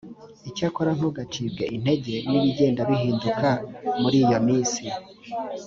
icyakora ntugacibwe intege n ibigenda bihinduka muri iyo minsi